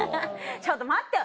ちょっと待ってよ